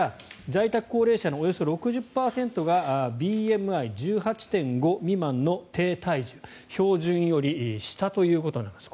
在宅高齢者のおよそ６０％がＢＭＩ１８．５未満の低体重標準より下ということになります。